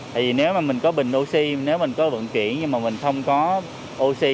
tại vì nếu mà mình có bình oxy nếu mình có vận chuyển nhưng mà mình không có oxy